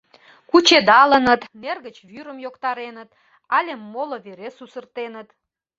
Кучедалыныт, нер гыч вӱрым йоктареныт але моло вере сусыртеныт.